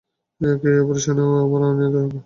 এই অপারেশনও আমার নিয়ন্ত্রণে হবে।